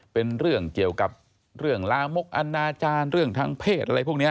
เป็นเรื่องเกี่ยวกับเรื่องลามกอนาจารย์เรื่องทางเพศอะไรพวกนี้